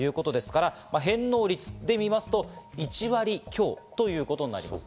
返納率で見ますと１割強ということになります。